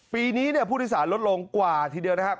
ปีนี้ผู้โดยสารลดลงกว่าทีเดียวนะครับ